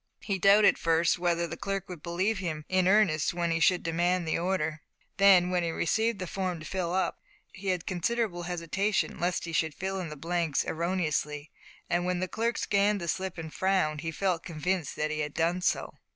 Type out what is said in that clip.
He doubted, first, whether the clerk would believe him in earnest when he should demand the order. Then, when he received the form to fill up, he had considerable hesitation lest he should fill in the blanks erroneously, and when the clerk scanned the slip and frowned, he felt convinced that he had done so.